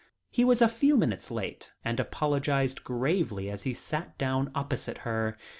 He was a few minutes late, and apologised gravely as he sat down opposite her.